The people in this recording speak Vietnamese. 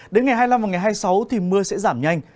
đến ngày hai mươi năm và ngày hai mươi sáu thì mưa sẽ giảm nhanh